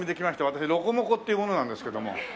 私ロコモコっていう者なんですけども。